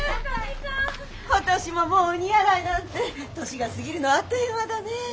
今年ももう鬼やらいなんて年が過ぎるのはあっという間だねえ。